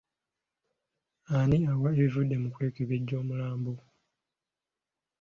Ani awa ebivudde mu kwekebejja omulambo?